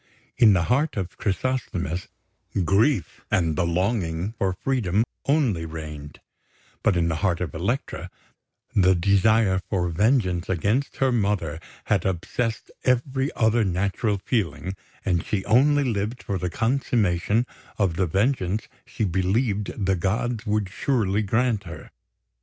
In the heart of Chrysosthemis, grief and the longing for freedom only reigned; but in the heart of Elektra the desire for vengeance against her mother had obsessed every other natural feeling, and she only lived for the consummation of the vengeance she believed the gods would surely grant her.